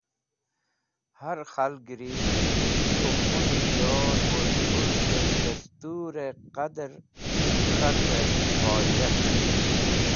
Har khalgẽri k̃hũ khun, diyor woz mulkẽ dẽstũrẽ qadẽr k̃hakẽ hojat.